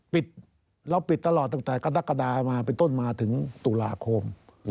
ปิดแล้วปิดตลอดตั้งแต่กระดักกระดาษมาไปต้นมาถึงตุลาคม